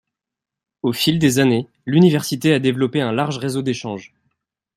Au fil des années, l’université a développé un large réseau d’échange.